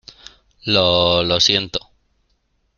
Lo... Lo siento .